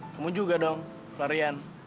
kamu juga dong pelarian